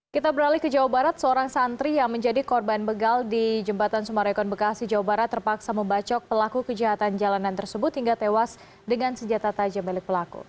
kita beralih ke jawa barat seorang santri yang menjadi korban begal di jembatan sumarekon bekasi jawa barat terpaksa membacok pelaku kejahatan jalanan tersebut hingga tewas dengan senjata tajam milik pelaku